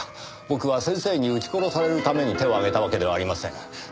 僕は先生に撃ち殺されるために手を挙げたわけではありません。